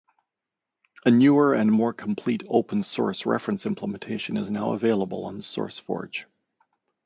A newer, and more complete, open-source reference implementation is now available on SourceForge.